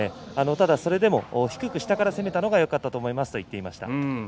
ただそれでも、低く下から攻めたのがよかったと思いますと話していました。